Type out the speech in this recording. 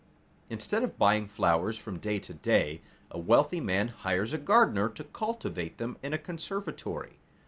Instead of buying flowers from day to day, a wealthy man hires a gardener to cultivate them in a conservatory.